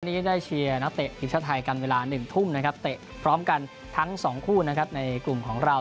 นี้ได้เชียร์นักเตะทีมชาติไทยกันเวลา๑ทุ่มนะครับเตะพร้อมกันทั้งสองคู่นะครับในกลุ่มของเรา